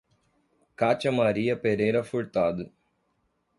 Catia Maria Pereira Furtado